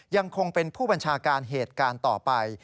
ยังคงเป็นผู้บัญชาการเหตุการณ์ต่อไป